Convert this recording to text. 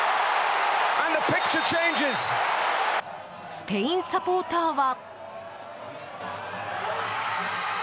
スペインサポーターは。